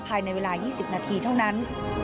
ภายในเวลา๒๐นาทีเท่านั้น